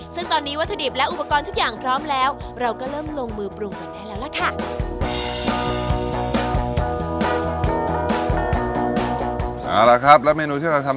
ซึ่งตอนนี้วัตถุดิบและอุปกรณ์ทุกอย่างพร้อมแล้วเราก็เริ่มลงมือปรุงกันได้แล้วล่ะค่ะ